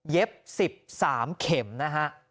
เย็บ๑๓เข็มนะฮะ